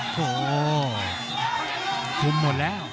คุมหมดแล้ว